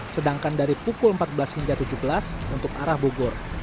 sedangkan dari pukul empat belas hingga tujuh belas untuk arah bogor